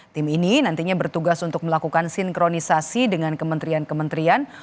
tim ini nantinya bertugas untuk melakukan sinkronisasi dengan kementerian kementerian